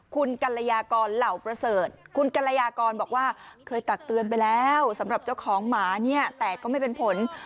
คุณกัลยากรเหล่าประเสริฐคุณกัลยากรบอกว่าเคยตักเตือนไปแล้วสำหรับเจ้าของหมาเนี่ยแต่ก็ไม่เป็นผล